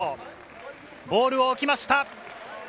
残り５秒、ボールを置きました。